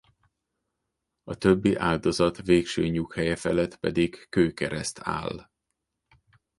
A többi áldozat végső nyughelye felett pedig kőkereszt áll.